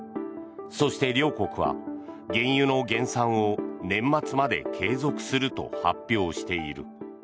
そして両国は原油の減産を年末まで継続すると発表している。